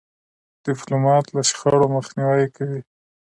ډيپلومات له شخړو مخنیوی کوي.